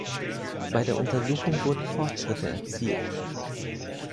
Bei der Untersuchung wurden Fortschritte erzielt.